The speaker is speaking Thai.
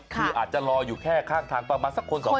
คืออาจจะรออยู่แค่ข้างทางประมาณสักคนสองคน